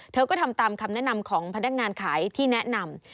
เธอก็ทำตามคำแนะนำของพนักงานขายที่แนะนำ